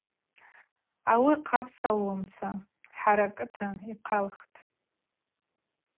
Ауи хъапссгӏалуамца хӏаракӏыта йхъалтӏ.